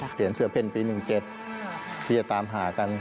เหรียญเสือเพล็นปี๑๗ที่จะตามหากัน